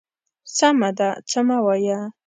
_سمه ده، څه مه وايه.